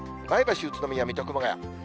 前橋、宇都宮、水戸、熊谷。